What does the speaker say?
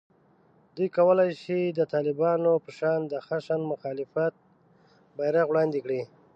دوی کولای شي د طالبانو په شان د خشن مخالفت بېرغ وړاندې کړي